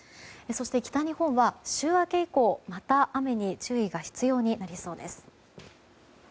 そして北日本は週明け以降また雨に注意が必要になりそうです。